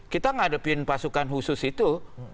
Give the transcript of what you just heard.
kita ngadepin pasukan khusus itu